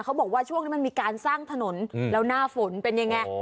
เขาบอกว่าช่วงนี้มันมีการสร้างถนนแล้วหน้าฝนเป็นยังไง